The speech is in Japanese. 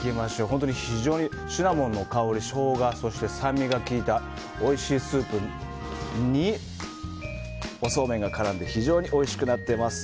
本当に非常にシナモンの香りショウガそして酸味が効いたおいしいスープにおそうめんが絡んで非常においしくなっています。